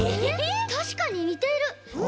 たしかににてる！